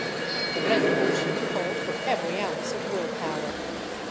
The resolution called for every ounce of will power.